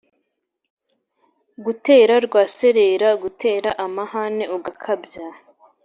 gutera rwaserera: gutera amhane ugakabya